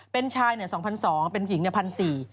เป็นชายเนี่ย๒๒๐๐เป็นผิงเนี่ย๑๔๐๐